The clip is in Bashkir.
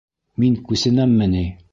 Мин... күсенәмме ни?